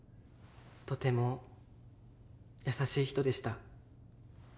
とても優しい人でした。